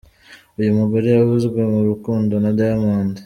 Uyu mugore yavuzwe mu rukundo na Diamond .